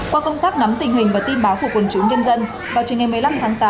qua công tác nắm tình hình và tin báo của quân chúng nhân dân vào trình ngày một mươi năm tháng tám